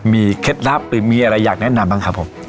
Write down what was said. มีเคล็ดลับหรือมีอะไรอยากแนะนำบ้างครับผม